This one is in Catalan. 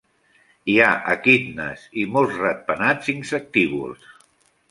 Hi ha equidnes i molts ratpenats insectívors.